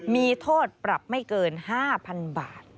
มีโทษปรับไม่เกิน๕๐๐๐บาท